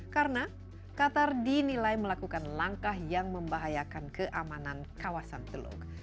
karena qatar dinilai melakukan langkah yang membahayakan keamanan kawasan teluk